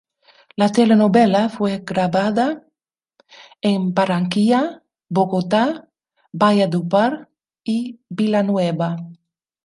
La telenovela fue grabada en Barranquilla, Bogotá, Valledupar y Villanueva.